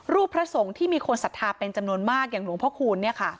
พระสงฆ์ที่มีคนศรัทธาเป็นจำนวนมากอย่างหลวงพ่อคูณ